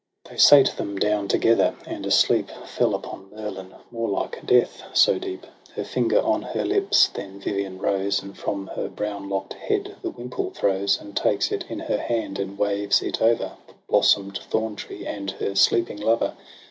They sate them down together, and a sleep Fell upon Merlin, more like death, so deep. Her finger on her lips, then Vivian rose, And from her brown lock'd head the wimple throws, And takes it in her hand, and waves it over The blossom'd thorn tree and her sleeping lover.